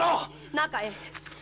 中へ！